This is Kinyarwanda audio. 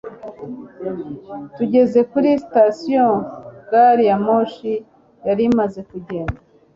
Tugeze kuri sitasiyo gari ya moshi yari imaze kugenda